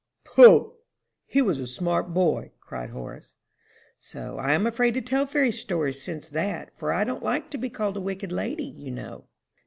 "Poh! he was a smart boy," cried Horace. "So I am afraid to tell fairy stories since that, for I don't like to be called a wicked lady, you know."